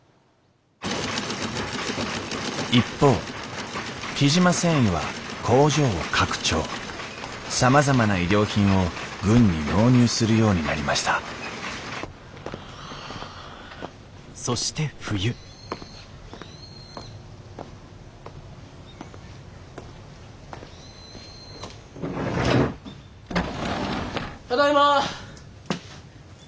一方雉真繊維は工場を拡張さまざまな衣料品を軍に納入するようになりましたただいま。